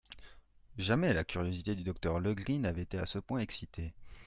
Jamais la curiosité du docteur Legris n'avait été à ce point excitée.